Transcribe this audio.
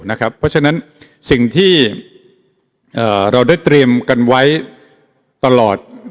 เพราะฉะนั้นสิ่งที่เราได้เตรียมกันไว้ตลอด